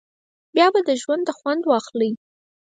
بیا به د ژونده خوند واخلی.